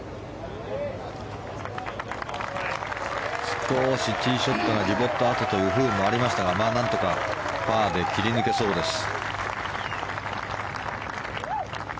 少しティーショットがディボット跡という不運もありましたがなんとかパーで切り抜けそうです。